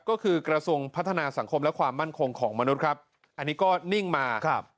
ก็คือกระทรวงพัฒนาสังคมและความมั่นคงของมนุษย์ครับอันนี้ก็นิ่งมาครับ